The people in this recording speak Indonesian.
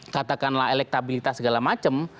katakanlah elektabilitas segala macem